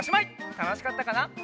たのしかったかな？